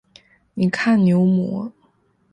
你看牛魔？